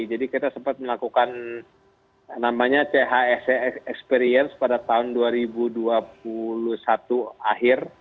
kita sempat melakukan namanya chsex experience pada tahun dua ribu dua puluh satu akhir